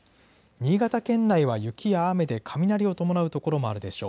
新潟県内は雪や雨で、雷を伴う所もあるでしょう。